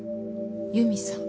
佑美さん。